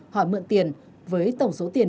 hỏi mượn tiền với tổng số tiền